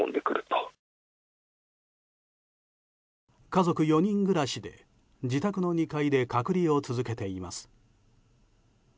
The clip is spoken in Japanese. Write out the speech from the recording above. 家族４人暮らしで自宅の２階で隔離を続けています。